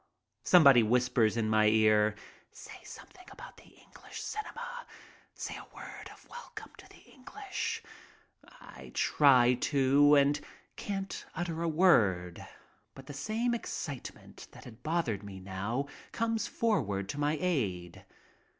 Somebody whispers in my ear, "Say something about the English cinema." "Say a word of welcome to the English." I try to and can't utter a word, but the same excitement that had bothered me now comes forward to my aid.